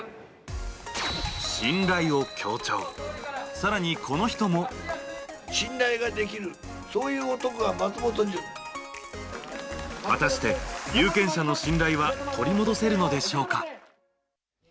更に、この人も果たして、有権者の信頼は取り戻せるのでしょうか。